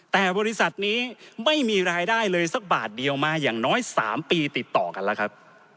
แต่บริษัทนี้ไม่มีรายได้เลยสักบาทเดียวมาอย่างน้อย๓ปีติดต่อกันแล้วครับ